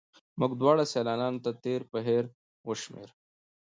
موږ دواړو سیلانیانو تېر پر هېر وشمېره.